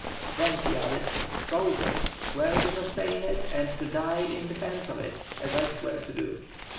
Then he added "Soldiers! Swear to sustain it and to die in defence of it, as I swear to do."